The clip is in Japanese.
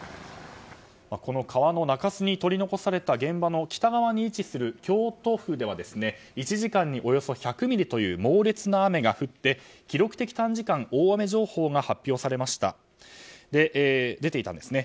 この川の中州に取り残された現場の北側に位置する京都府では１時間におよそ１００ミリという猛烈な雨が降って記録的短時間大雨情報が出ていたんですね。